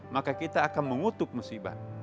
maka kita akan mengutuk musibah